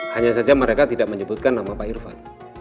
hanya saja mereka tidak menyebutkan nama pak irfan